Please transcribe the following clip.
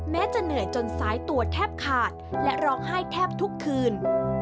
จะเหนื่อยจนซ้ายตัวแทบขาดและร้องไห้แทบทุกคืน